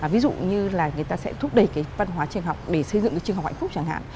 ví dụ như là người ta sẽ thúc đẩy cái văn hóa trường học để xây dựng cái trường học hạnh phúc chẳng hạn